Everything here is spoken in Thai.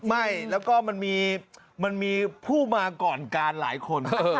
ไม่แล้วก็มันมีผู้มาก่อนการหลายคน